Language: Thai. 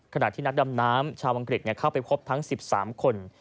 ขณะที่นักดำน้ำชาวอังกฤษเข้าไปพบทั้ง๑๓คน